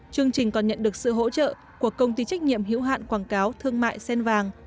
chương trình còn nhận được sự hỗ trợ của công ty trách nhiệm hữu hạn quảng cáo thương mại sen vàng